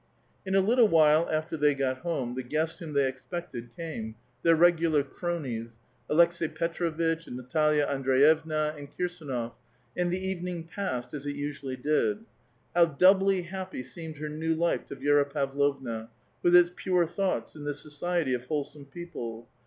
In a little while after they got home, the guests whom they expected came, their regular cronies, — Aleks^i Petr6 vitch, and Natalia Andreyev na, and Kirsdnof ; and the evening passed as it usually did. How doubly happy seemed her new life to Vi^ra Pavlovna, with its pure thoughts, in the society of wholesome people